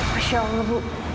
masya allah bu